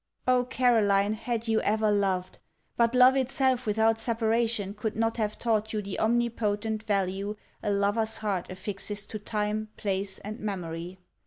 Oh, Caroline, had you ever loved! but love itself without separation could not have taught you the omnipotent value a lover's heart affixes to time, place, and memory!